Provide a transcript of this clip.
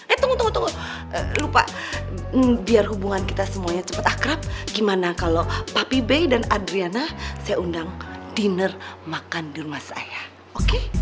eh tunggu tunggu tunggu lupa biar hubungan kita semuanya cepat akrab gimana kalau papi bay dan adriana saya undang dinner makan di rumah saya oke